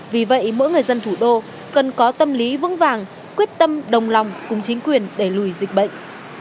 vì vậy mỗi người dân thủ đô cần có tâm lý vững vàng quyết tâm đồng lòng cùng chính quyền đẩy lùi dịch bệnh